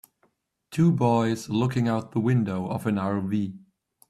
Two boys looking out the window of an RV.